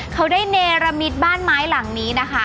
เขาได้เนรมิตบ้านไม้หลังนี้นะคะ